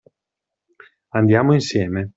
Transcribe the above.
Andiamo insieme.